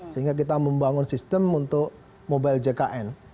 sehingga kita membangun sistem untuk mobile jkn